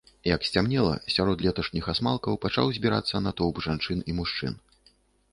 Як сцямнела, сярод леташніх асмалкаў пачаў збірацца натоўп жанчын і мужчын.